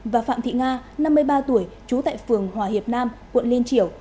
và phạm thị nga năm mươi ba tuổi trú tại phường hòa hiệp nam quận liên triểu